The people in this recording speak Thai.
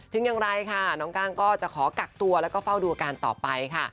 ถึงอย่างไรค่ะน้องก้างก็จะขอกักตัวแล้วก็เฝ้าดูอาการต่อไปค่ะ